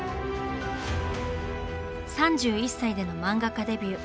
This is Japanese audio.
３１歳での漫画家デビュー。